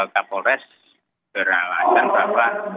mapol res beralasan bahwa